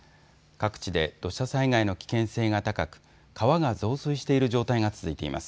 各地で土砂災害の危険性が高く川が増水している状態が続いています。